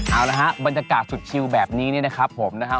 เอาละฮะบรรยากาศสุดชิวแบบนี้เนี่ยนะครับผมนะครับ